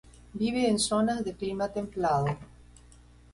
Vive en zonas de clima templado.